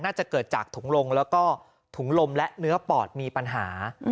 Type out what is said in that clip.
น่าจะเกิดจากถุงลมและเนื้อปอดมีปัญหา